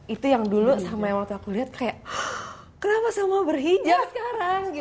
itu yang dulu sama yang waktu aku lihat kayak kenapa semua berhijab sekarang